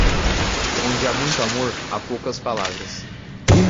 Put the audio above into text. Onde há muito amor, há poucas palavras.